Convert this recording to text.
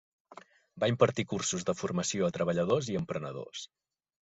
Va impartir cursos de formació a treballadors i emprenedors.